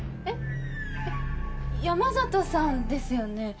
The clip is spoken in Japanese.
えっ山里さんですよね？